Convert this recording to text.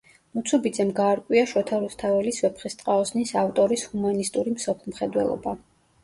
ნუცუბიძემ გაარკვია შოთა რუსთაველის ვეფხისტყაოსნის ავტორის ჰუმანისტური მსოფლმხედველობა.